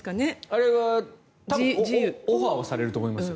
あれは多分オファーはされると思いますよ。